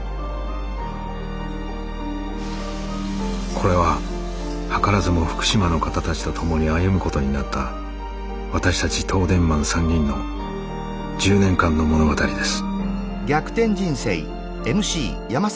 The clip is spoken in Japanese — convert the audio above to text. これは図らずも福島の方たちと共に歩むことになった私たち東電マン３人の１０年間の物語です。